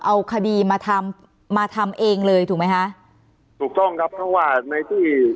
เอาคดีมาทำมาทำเองเลยถูกไหมคะถูกต้องครับเพราะว่าในที่